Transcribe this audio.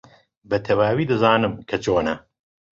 بەتەواوی دەزانم کە چۆنە.